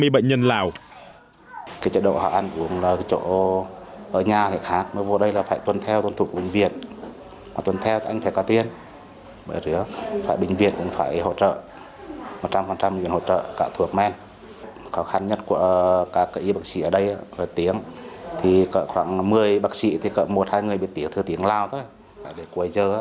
bệnh nhân lào